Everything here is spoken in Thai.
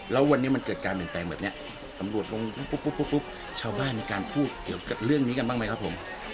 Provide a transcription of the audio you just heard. แล้ววันนี้มันเกิดการเปลี่ยนแปลงแบบนี้ตำรวจลงปุ๊บชาวบ้านมีการพูดเกี่ยวกับเรื่องนี้กันบ้างไหมครับผม